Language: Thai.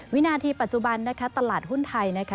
วินาทีปัจจุบันนะคะตลาดหุ้นไทยนะคะ